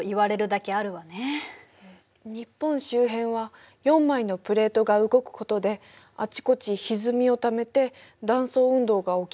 日本周辺は４枚のプレートが動くことであちこちひずみをためて断層運動が起きるんだよね。